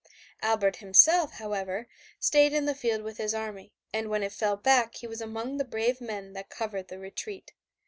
Albert himself, however, stayed in the field with his army and when it fell back he was among the brave men that covered the retreat.